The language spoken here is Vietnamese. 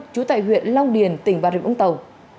chú tài huyện long điền tỉnh bà rịnh úng tàu